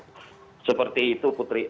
nah seperti itu putri